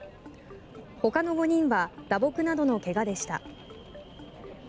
ほかの５人は打撲などの怪我でした。